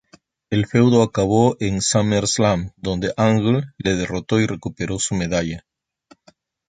El feudo acabó en SummerSlam, donde Angle le derrotó y recuperó su medalla.